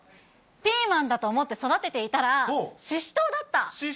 ピーマンだと思って育てていシシトウだった？